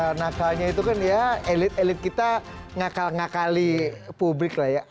nah nakalnya itu kan ya elit elit kita ngakal ngakali publik lah ya